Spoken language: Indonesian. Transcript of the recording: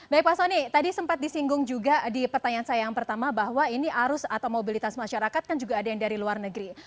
baik pak soni tadi sempat disinggung juga di pertanyaan saya yang pertama bahwa ini arus atau mobilitas masyarakat kan juga ada yang dari luar negeri